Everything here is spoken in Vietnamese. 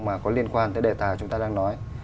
mà có liên quan tới đề tài chúng ta đang nói